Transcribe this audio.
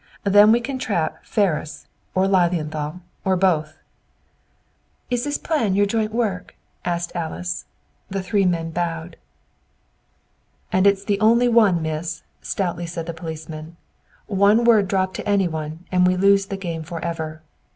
Then we can trap Ferris or Lilienthal, or both." "Is this plan your joint work?" asked Alice. The three men bowed. "And it's the only one, Miss," stoutly said the policeman. "One word dropped to any one, and we lose the game forever!